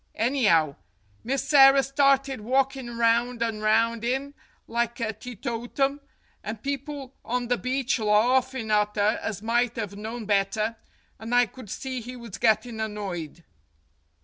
Any'ow, Misserrer started walkin' round an' round 'im, like a teetotum, and people on the beach larfin' at 'er as might have known better, and I could see he was gettin' annoyed."